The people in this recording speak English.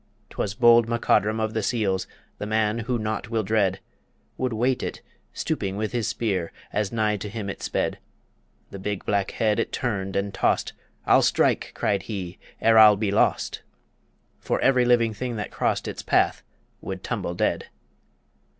'Twas bold MacCodrum of the Seals The man who naught will dread Would wait it, stooping with his spear, As nigh to him it sped; The big black head it turn'd and toss'd, "I'll strike," cried he, "ere I'll be lost," For every living thing that cross'd Its path would tumble dead.